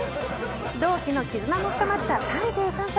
同期のきずなも深まった３３歳。